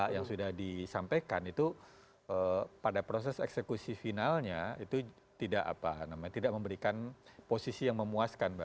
yang sudah disampaikan itu pada proses eksekusi finalnya itu tidak memberikan posisi yang memuaskan